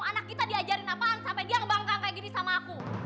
anak kita diajarin apaan sampai dia ngebangka kayak gini sama aku